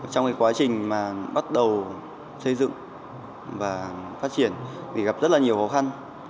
trong quá trình bắt đầu xây dựng và phát triển thì gặp rất nhiều khó khăn